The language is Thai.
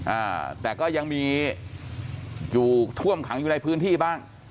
อ่าแต่ก็ยังมีอยู่ท่วมขังอยู่ในพื้นที่บ้าง